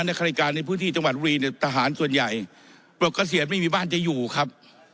ในการในพื้นที่จังหวัดบุรีเนี่ยทหารส่วนใหญ่ปลดเกษียณไม่มีบ้านจะอยู่ครับ